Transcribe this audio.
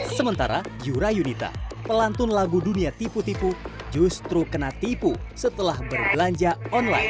sementara yura yunita pelantun lagu dunia tipu tipu justru kena tipu setelah berbelanja online